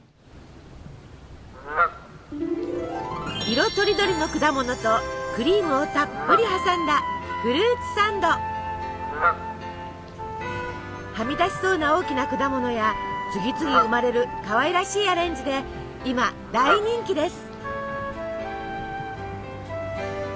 色とりどりの果物とクリームをたっぷり挟んだはみ出しそうな大きな果物や次々生まれるかわいらしいアレンジで今大人気です！